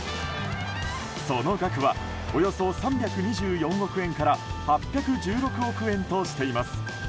その額は、およそ３２４億円から８１６億円としています。